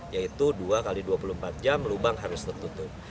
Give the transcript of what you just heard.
yaitu dua x dua puluh empat jam lubang harus tertutup